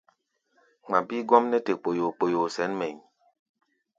Ŋma bíí gɔ́m nɛ́ te kpoyoo-kpoyoo sɛ̌n mɛʼí̧.